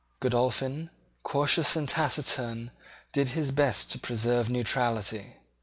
Godolphin, cautious and taciturn, did his best to preserve neutrality.